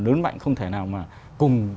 lớn mạnh không thể nào mà cùng